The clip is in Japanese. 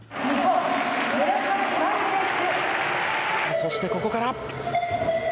そしてここから。